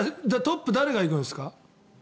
じゃあトップ誰が行くんですか？